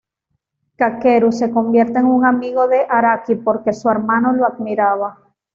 Kakeru se convierte en un amigo de Araki porque su hermano lo admiraba.